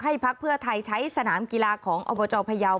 ให้ภักษ์เพื่อไทยใช้สนามกีฬาของแอบประจอมพยาว